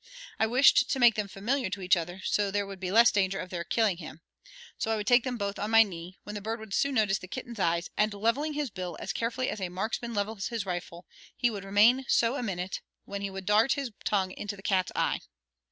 I wished to make them familiar to each other, so there would be less danger of their killing him. So I would take them both on my knee, when the bird would soon notice the kitten's eyes, and leveling his bill as carefully as a marksman levels his rifle, he would remain so a minute when he would dart his tongue into the cat's eye.